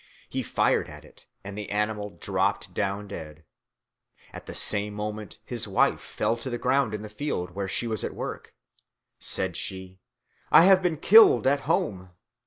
He fired at it, and the animal dropped down dead. At the same moment his wife fell to the ground in the field where she was at work; said she, "I have been killed at home."